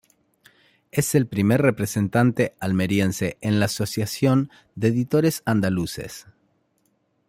Es el primer representante almeriense en la Asociación de Editores Andaluces.